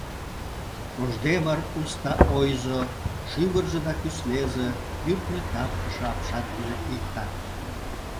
Кождемыр, уста ойзо, шӱвырзӧ да кӱслезе, кӱртньӧ таптыше апшат дене иктак.